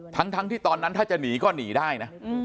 ทั้งที่ตอนนั้นถ้าจะหนีก็หนีได้นะ